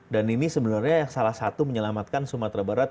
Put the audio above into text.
dan ini sebenarnya salah satu yang menyelamatkan sumatera barat